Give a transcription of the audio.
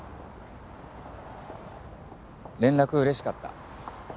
連絡嬉しかった。